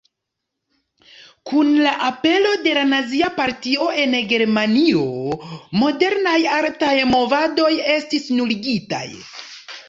Kun la apero de la Nazia Partio en Germanio, modernaj artaj movadoj estis nuligitaj.